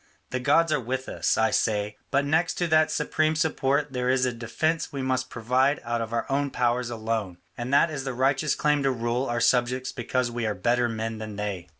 The gods are with us, I say; but next to that supreme support there is a defence we must provide out of our own powers alone; and that is the righteous claim to rule our subjects because we are better men than they.